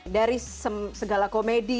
dari segala komedi